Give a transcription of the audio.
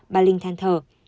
bà linh than thở